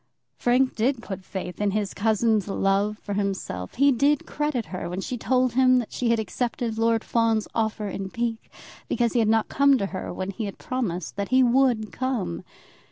Frank did put faith in his cousin's love for himself. He did credit her when she told him that she had accepted Lord Fawn's offer in pique, because he had not come to her when he had promised that he would come.